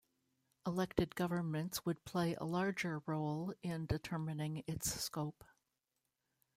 Elected governments would play a larger role in determining its scope.